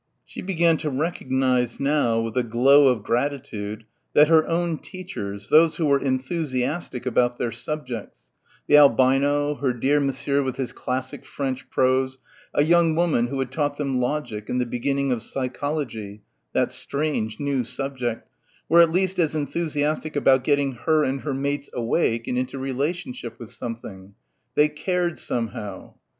3 She began to recognise now with a glow of gratitude that her own teachers, those who were enthusiastic about their subjects the albino, her dear Monsieur with his classic French prose, a young woman who had taught them logic and the beginning of psychology that strange, new subject were at least as enthusiastic about getting her and her mates awake and into relationship with something. They cared somehow.